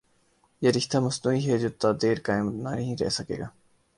یہ رشتہ مصنوعی ہے جو تا دیر قائم نہیں رہ سکے گا۔